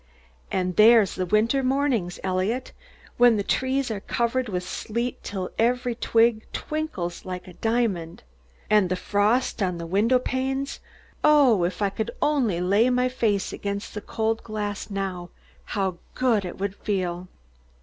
And there's the winter mornings, Eliot, when the trees are covered with sleet till every twig twinkles like a diamond. And the frost on the window panes oh, if I could only lay my face against the cold glass now, how good it would feel!"